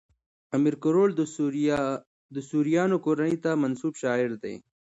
امیر کروړ د سوریانو کورنۍ ته منسوب شاعر دﺉ.